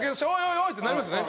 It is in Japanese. おいってなりますね。